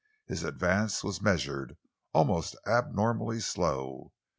His advance was measured, almost abnormally slow.